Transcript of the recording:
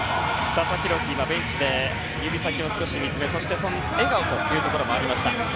佐々木朗希はベンチで指先を少し見つめそして笑顔もありました。